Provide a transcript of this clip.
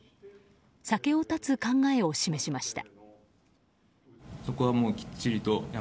酒を断つ考えを示しました。